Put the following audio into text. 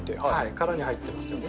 殻に入ってますよね。